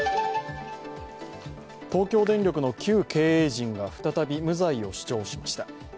東京電力の旧経営陣が再び無罪を主張しました。